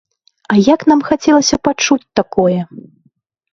А як нам хацелася пачуць такое!